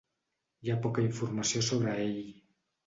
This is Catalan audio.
Hi ha poca informació sobre ell.